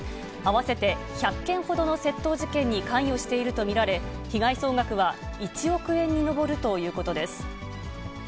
合わせて１００件ほどの窃盗事件に関与していると見られ、被害総額は１億円に上るということです。